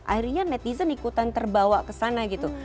akhirnya netizen ikutan terbawa kesana gitu